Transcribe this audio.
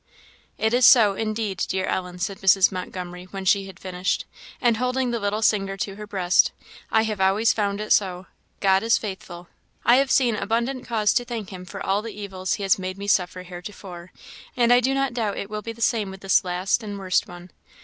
"It is so, indeed, dear Ellen," said Mrs. Montgomery, when she had finished and holding the little singer to her breast "I have always found it so. God is faithful. I have seen abundant cause to thank him for all the evils he has made me suffer heretofore, and I do not doubt it will be the same with this last and worst one.